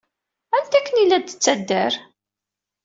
Attan akken ay la d-tettader.